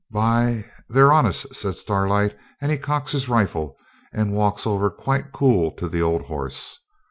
'By ! they're on us,' says Starlight; and he cocks his rifle, and walks over quite cool to the old horse.